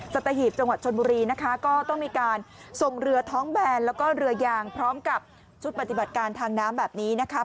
สัตหีบจังหวัดชนบุรีนะคะก็ต้องมีการส่งเรือท้องแบนแล้วก็เรือยางพร้อมกับชุดปฏิบัติการทางน้ำแบบนี้นะคะ